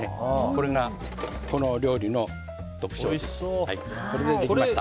これがこのお料理の特徴です。